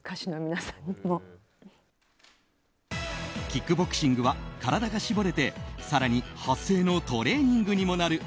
キックボクシングは体が絞れて更に発声のトレーニングにもなる。